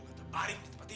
mas diberi sekali